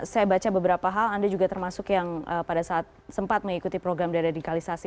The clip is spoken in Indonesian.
saya baca beberapa hal anda juga termasuk yang pada saat sempat mengikuti program deradikalisasi